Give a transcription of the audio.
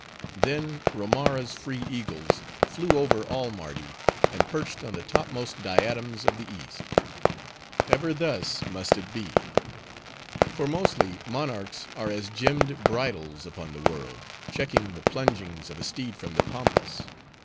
"Then, Romara's free eagles flew over all Mardi, and perched on the topmost diadems of the east. "Ever thus must it be. "For, mostly, monarchs are as gemmed bridles upon the world, checking the plungings of a steed from the Pampas.